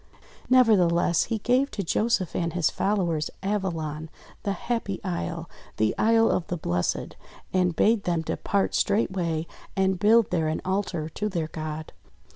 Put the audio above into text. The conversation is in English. Never theless he gave to Joseph and his followers, Avalon, the happy isle, the Isle of the Blessed, and bade them depart straightway, and build there an altar to their God.